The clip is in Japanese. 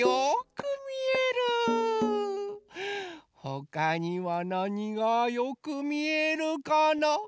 ほかにはなにがよくみえるかな？